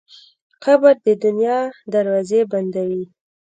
قبر د دنیا دروازې بندوي.